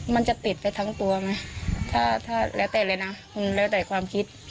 มันจะติดไปทั้งตัวไหมแล้วแต่อะไรนะแล้วแต่ความคิด